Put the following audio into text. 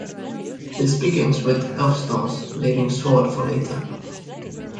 This begins with "Elfstones", leaving "Sword" for later.